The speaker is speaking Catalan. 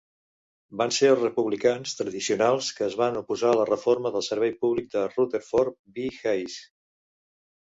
Van ser els republicans "tradicionals" que es van oposar a la reforma del servei públic de Rutherford B. Hayes.